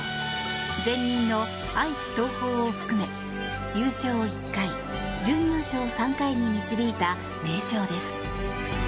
前任の愛知・東邦を含め優勝１回、準優勝３回に導いた名将です。